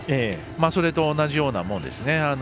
それと同じようなものですね。